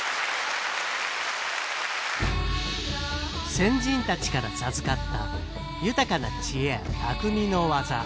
先人たちから授かった豊かな知恵やたくみの技。